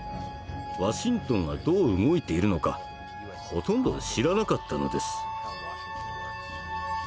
ワシントンがどう動いているのかほとんど知らなかったのです。